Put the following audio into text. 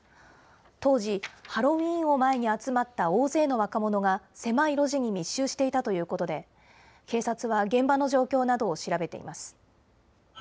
当時、ハロウィーンを前に集まった大勢の若者が狭い路地に密集していたということで、警察は現場の状況などを調べています。